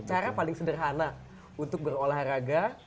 cara paling sederhana untuk berolahraga